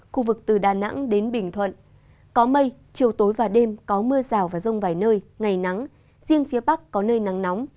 khu vực từ đà nẵng đến bình thuận có mây chiều tối và đêm có mưa rào và rông vài nơi ngày nắng riêng phía bắc có nơi nắng nóng